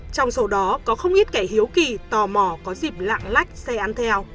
trong số đó có không ít kẻ hiếu kỳ tò mò có dịp lạng lách xe ăn